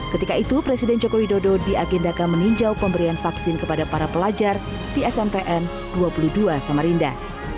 ketika itu presiden joko widodo diagendakan meninjau pemberian vaksin kepada para pelajar di smpn dua puluh dua samarinda